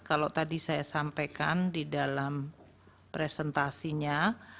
kalau tadi saya sampaikan di dalam presentasinya